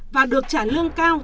và được trả lương cao